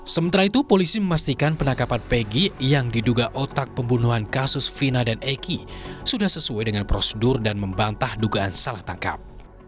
sementara itu polisi memastikan penangkapan pegi yang diduga otak pembunuhan kasus fina dan eki sudah sesuai dengan prosedur dan membantah dugaan salah tangkap